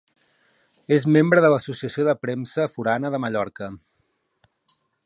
És membre de l'Associació de Premsa Forana de Mallorca.